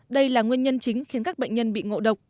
đây là nguyên nhân chính khiến các bệnh nhân bị ngộ độc